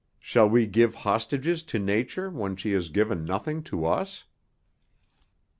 Shall we give hostages to Nature when she has given nothing to us?"